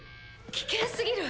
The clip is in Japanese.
危険すぎる。